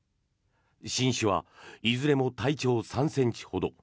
新種はいずれも体長３ｃｍほど。